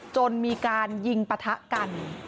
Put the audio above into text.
จนมีการยิงปะทะกัน